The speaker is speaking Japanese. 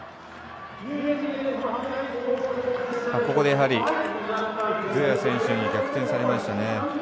ここでズエワ選手に逆転されましたね。